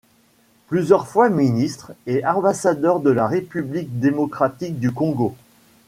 Plusieurs fois ministres et ambassadeur de la République démocratique du Congo.